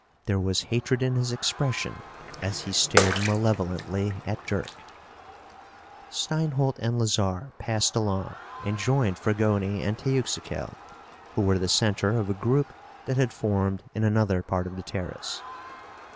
There was hatred in his expression as he stared malevolently at Dirk. Steinholt and Lazarre passed along and joined Fragoni and Teuxical, who were the center of a group that had formed in another part of the terrace.